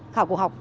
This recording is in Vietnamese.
khảo cổ học